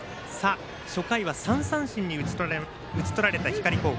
初回は３三振に打ち取られました。